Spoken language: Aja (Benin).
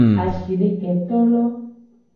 Ashideketolo.